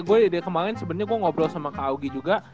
gue dari kemarin sebenarnya gue ngobrol sama kak augie juga